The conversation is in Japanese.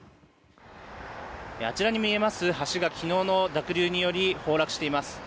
あちらに見えます橋が昨日の濁流により崩落しています。